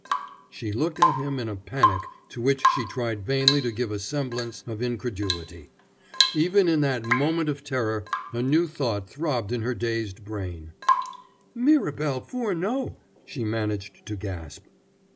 She looked at him in a panic to which she tried vainly to give a semblance of incredulity. Even in that moment of terror a new thought throbbed in her dazed brain. "Mirabel Furneaux!" she managed to gasp.